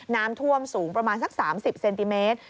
น้ำท่วมสูงประมาณสัก๓๐เซนติเมตร